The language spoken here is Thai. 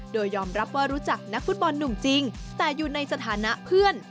โดยยอมรับว่ารู้จักนักฟุตบอลหนุ่มจริงแต่อยู่ในสถานะเพื่อน